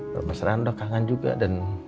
berbasar randok kangen juga dan